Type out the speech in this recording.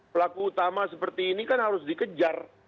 pelaku utama seperti ini kan harus dikejar